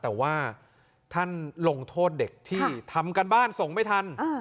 แต่ว่าท่านลงโทษเด็กที่ทำการบ้านส่งไม่ทัน